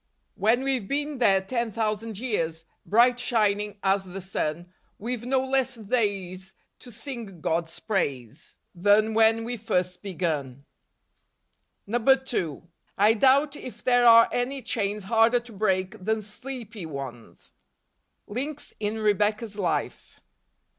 " When we've been there ten thousand years, Bright shining as the sun, We've no less days to sing God's praise. Than when we first begun." 2. I doubt if there are any chains harder to break than sleepy ones. Links in Rebecca's Life.